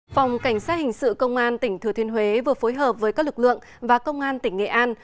phòng cảnh sát hình sự công an tỉnh thừa thiên huế vừa phối hợp với các lực lượng và công an tỉnh nghệ an